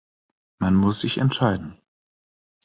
Man muss sich entscheiden.